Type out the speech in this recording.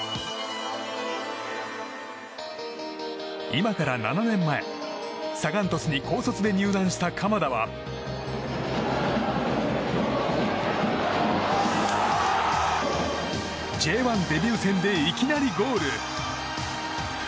今から７年前、サガン鳥栖に高卒で入団した鎌田はＪ１デビュー戦でいきなりゴール。